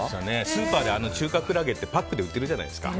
スーパーで中華クラゲってパックで売ってるじゃないですか。